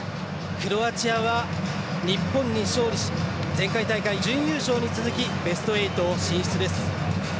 クロアチアは日本に勝利し前回大会準優勝に続きベスト８進出です。